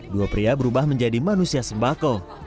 dua pria berubah menjadi manusia sembako